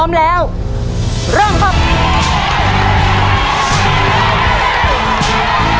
เพื่อชิงทุนต่อชีวิตสุด๑ล้านบาท